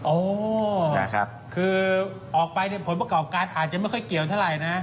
โอ้นะครับคือออกไปเนี่ยผลประกอบการอาจจะไม่ค่อยเกี่ยวเท่าไหร่นะ